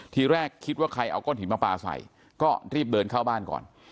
ทีแรกคิดว่าใครเอาก้อนหินมาปลาใส่ก็รีบเดินเข้าบ้านก่อน